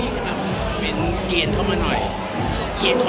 น่ารักเลยกินขาดเบนโด้